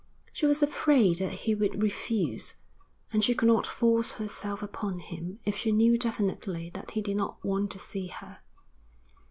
She was afraid that he would refuse, and she could not force herself upon him if she knew definitely that he did not want to see her.